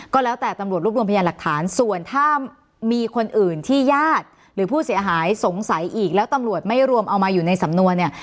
ก็แล้วแต่ตำรวจรวบรวมพยานหลักฐานส่วนถ้ามีคนอื่นที่ญาติหรือผู้เสียหายสงสัยอีกแล้วตำรวจไม่รวมเอามาอยู่ในสำนวนเนี่ย